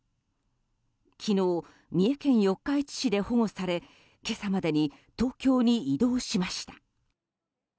昨日、三重県四日市市で保護され今朝までに東京に移動しました。